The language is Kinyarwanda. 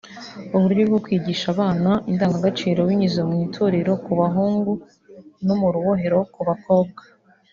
uburyo bwo kwigisha abana indangagaciro binyuze mu itorero ku bahungu no mu rubohero ku bakobwa